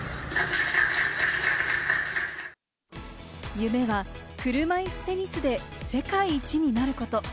夢は車いすテニスで世界一になること。